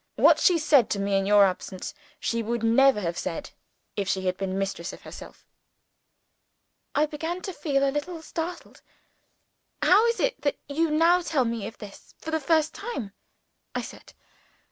What she said to me in your absence, she would never have said if she had been mistress of herself." I began to feel a little startled. "How is it that you now tell me of this for the first time?" I said.